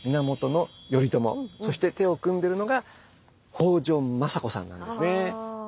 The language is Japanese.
そして手を組んでるのが北条政子さんなんですね。